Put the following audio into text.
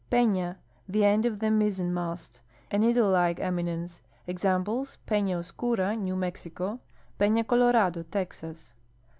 J'ena (the end of the nii/.zen mast).— A needle like eminence. Exam ples, I'ena Osciira, New Mexico; Pefia Colora<lo, Texas.